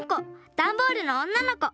ダンボールのおんなのこ。